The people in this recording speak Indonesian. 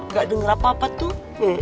gak denger apa apa tuh